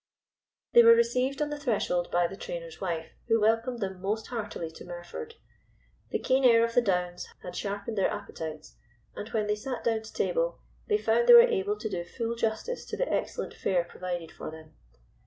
They were received on the threshold by the trainer's wife, who welcomed them most heartily to Merford. The keen air of the Downs had sharpened their appetites, and when they sat down to table they found they were able to do full justice to the excellent fare provided for them.